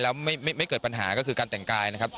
แล้วไม่เกิดปัญหาก็คือการแต่งกายนะครับ